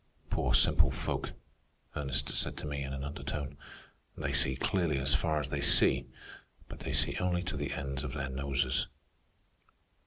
"Poor simple folk," Ernest said to me in an undertone. "They see clearly as far as they see, but they see only to the ends of their noses."